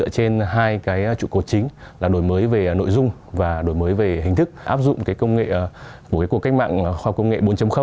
trên hai trụ cột chính là đổi mới về nội dung và đổi mới về hình thức áp dụng công nghệ của cuộc cách mạng khoa công nghệ bốn